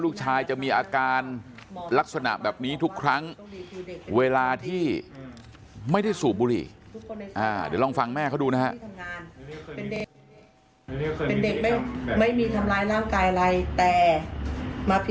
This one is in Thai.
ลูกชายจะมีอาการลักษณะแบบนี้ทุกครั้งเวลาที่ไม่ได้สูบบุหรี่